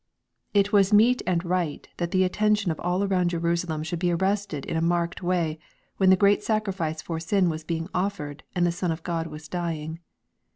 It was meet and right that the attention of all around Jerusalem should be arrested in a marked way, when the great sacrifice for sin was being offered and the Son of God was dying.